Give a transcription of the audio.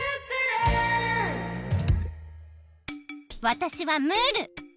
わたしはムール！